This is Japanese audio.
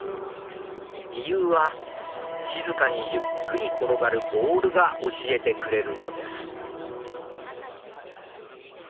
理由は静かにゆっくり転がるボールが教えてくれるのです。